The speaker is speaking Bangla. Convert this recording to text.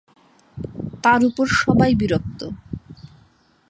তার উপর সবাই বিরক্ত।